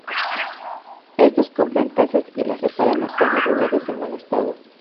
Estos compran casas y las reparan o casas rurales en buen estado.